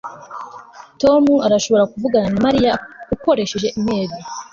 tom arashobora kuvugana na mariya ukoresheje imeri